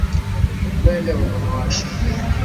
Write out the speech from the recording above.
Upele unaowasha